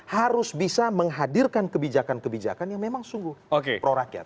harus bisa menghadirkan kebijakan kebijakan yang memang sungguh prorakyat